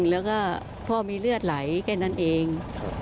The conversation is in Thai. แล้วก็พ่อมีเลือดไหลแค่นั้นเอง